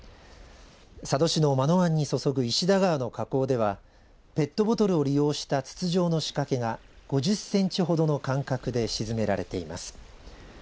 佐渡市の間の湾にそそぐ石田川の河口にはペットボトルを利用した筒状の仕掛けが５０センチほどの間隔で沈められています。